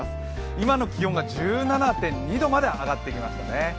今の気温が１７．２度まで上がってきましたね。